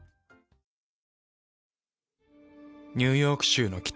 ニューヨーク州の北。